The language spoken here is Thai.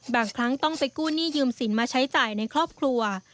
บางครั้งต้องไปกู้หนี้ยืมสินมาใช้จ่ายในครอบครัว